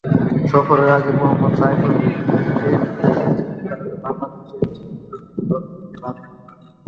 সফরের আগে, মোহাম্মদ সাইফুদ্দিন পিঠের ইনজুরির কারণে বাংলাদেশের টি-টোয়েন্টি দল থেকে বাদ পড়েন।